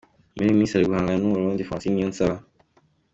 Muri iyi minsi ari guhangana n’Umurundi Francine Niyonsaba.